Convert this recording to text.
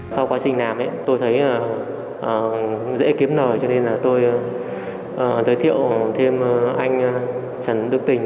sau quá trình làm tôi thấy dễ kiếm nợ cho nên tôi giới thiệu thêm anh trần đức tình